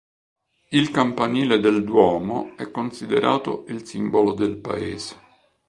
Il campanile del Duomo è considerato il simbolo del paese.